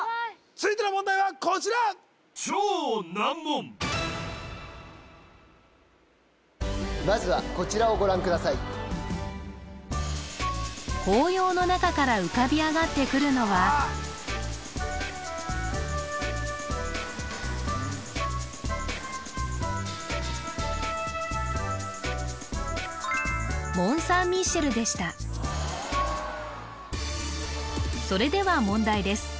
続いての問題はこちらまずは紅葉の中から浮かび上がってくるのはそれでは問題です